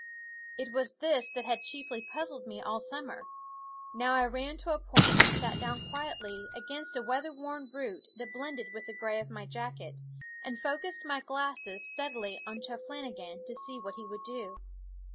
It was this that had chiefly puzzled me all summer. Now I ran to a point and sat down quietly against a weatherworn root that blended with the gray of my jacket, and focused my glasses steadily on Cheplah gan to see what he would do.